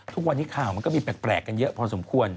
ทุกวันนี้ข่าวมันก็มีแปลกกันเยอะพอสมควร